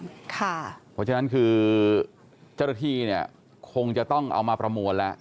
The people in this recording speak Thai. เพราะฉะนั้นคือเจ้าหน้าที่เนี่ยคงจะต้องเอามาประมวลแล้ว